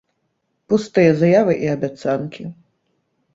Пустыя заявы і абяцанкі.